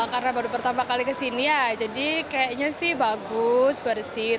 karena baru pertama kali kesini ya jadi kayaknya sih bagus bersih